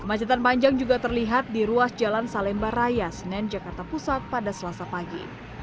kemacetan panjang juga terlihat di ruas jalan salemba raya senen jakarta pusat pada selasa pagi